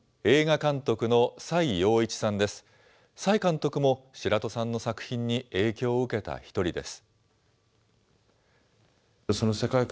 崔監督も白土さんの作品に影響を受けた一人です。